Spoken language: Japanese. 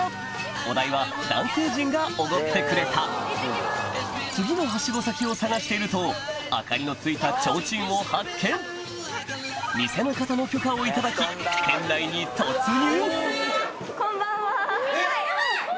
お代は男性陣がおごってくれた次のハシゴ先を探していると明かりのついた提灯を発見店の方の許可を頂き店内に突入